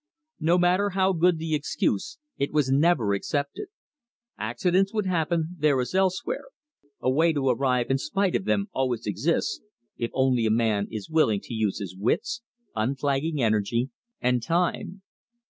No matter how good the excuse, it was never accepted. Accidents would happen, there as elsewhere; a way to arrive in spite of them always exists, if only a man is willing to use his wits, unflagging energy, and time.